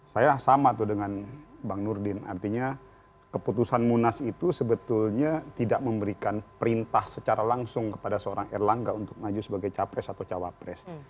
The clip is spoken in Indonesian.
saya sama tuh dengan bang nurdin artinya keputusan munas itu sebetulnya tidak memberikan perintah secara langsung kepada seorang erlangga untuk maju sebagai capres atau cawapres